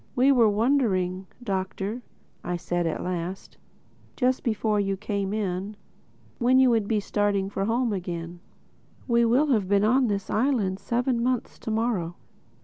"We were wondering, Doctor," said I at last,—"just before you came in—when you would be starting home again. We will have been on this island seven months to morrow."